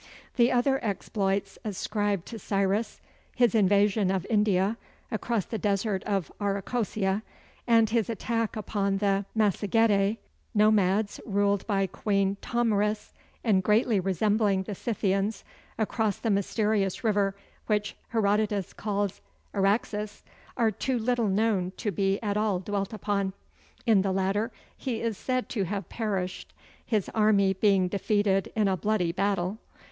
The other exploits ascribed to Cyrus his invasion of India, across the desert of Arachosia and his attack upon the Massagetæ, Nomads ruled by Queen Tomyris and greatly resembling the Scythians, across the mysterious river which Herodotus calls Araxes are too little known to be at all dwelt upon. In the latter he is said to have perished, his army being defeated in a bloody battle.